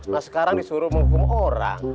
nah sekarang disuruh menghukum orang